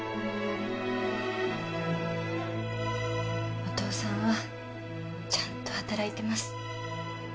お父さんはちゃんと働いてます